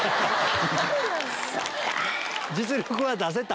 実力は出せた？